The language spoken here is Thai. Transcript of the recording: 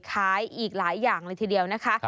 ขายอีกหลายอย่างเลยทีเดียวนะคะ